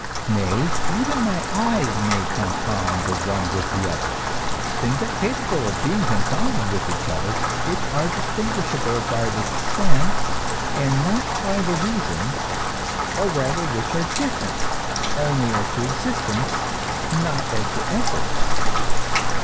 Nay, even my eyes may confound the one with the other. Things are capable of being confounded with each other which are distinguishable by the sense and not by the reason, or rather which are differ ent only as to existence, not as to essence.